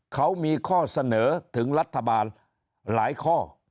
เขามีข้อเสนอถึงรัฐบาลหลายข้อ